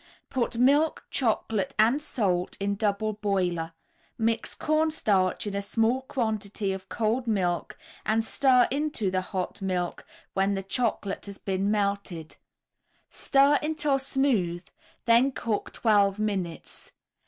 Put milk, chocolate and salt in double boiler; mix cornstarch in a small quantity of cold milk, and stir into the hot milk when the chocolate has been melted; stir until smooth, then cook twelve minutes.